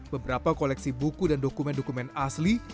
beberapa koleksi buku dan dokumen dokumen asli